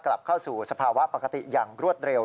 กลับเข้าสู่สภาวะปกติอย่างรวดเร็ว